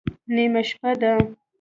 _نيمه شپه ده.